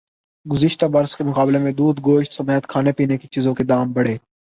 گزشتہ برس کے مقابلے میں دودھ گوشت سمیت کھانے پینے کی چیزوں کے دام بڑھے